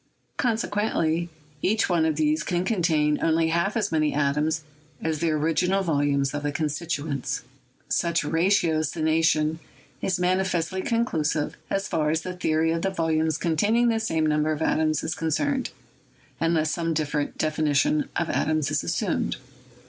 Consequently, each one of these can contain only half as many atoms as the original volumes of the constituents. Such ratiocination is manifestly conclusive so far as the theory of the volumes containing the same number of atoms is concerned, unless some different defi nition of atoms is assumed.